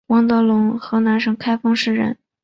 王陇德河南省开封市人。